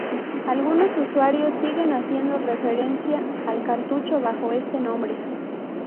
Algunos usuarios siguen haciendo referencia al cartucho bajo este nombre.